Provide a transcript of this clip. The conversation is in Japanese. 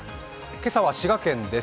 今朝は滋賀県です。